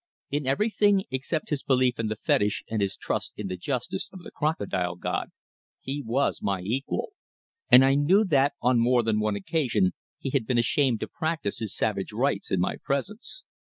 In everything except his belief in the fetish and his trust in the justice of the Crocodile god, he was my equal; and I knew that, on more than one occasion, he had been ashamed to practise his savage rites in my presence.